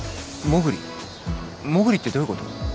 モグリモグリってどういうこと？